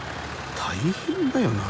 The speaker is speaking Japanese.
大変だよな。